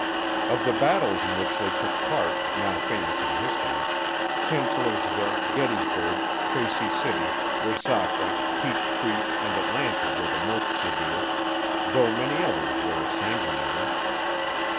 Of the battles in which they took part, now famous in history, Chancellorsville, Gettysburg, Tracy City, Resaca, Peach Creek and Atlanta were the most severe, though many others were as sanguinary.